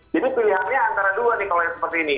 jadi pilihannya antara dua nih kalau yang seperti ini